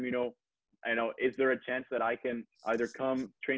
apakah ada kesempatan gue bisa datang ke sini